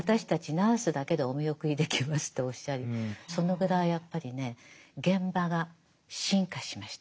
ナースだけでお見送りできますっておっしゃりそのぐらいやっぱりね現場が進化しました。